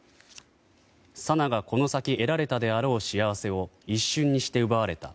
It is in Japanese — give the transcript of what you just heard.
紗菜がこの先得られたであろう幸せを一瞬にして奪われた。